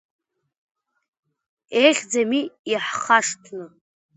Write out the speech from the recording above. Еиӷьӡами, иаҳхашҭны…